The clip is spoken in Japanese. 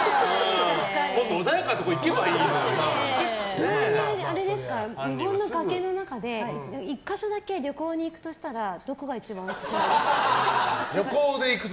もっと穏やかなところに日本の崖の中で１か所だけ旅行に行くとしたらどこが一番オススメですか？